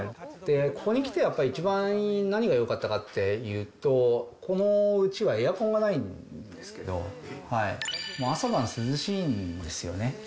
ここにきて、やっぱり一番何がよかったかっていうと、このうちはエアコンがないんですけど、朝晩涼しいんですよね。